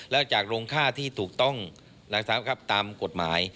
และจากรงค์ค่าที่ถูกต้องตามกฎหมาย